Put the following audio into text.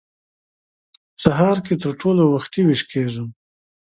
سهار کې تر ټولو وختي وېښ کېږم.